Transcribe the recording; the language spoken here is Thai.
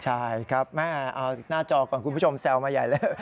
ใช่ครับแม่เอาหน้าจอก่อนคุณผู้ชมแซวมาใหญ่เลย